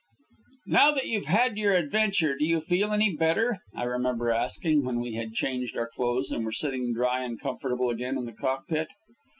"Now that you've had your adventure, do you feel any better?" I remember asking when we had changed our clothes and were sitting dry and comfortable again in the cockpit.